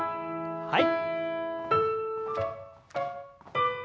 はい。